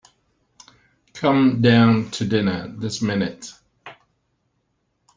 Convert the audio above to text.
Come down to dinner this minute.